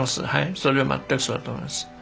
それは全くそうだと思います。